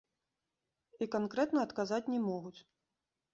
І канкрэтна адказаць не могуць.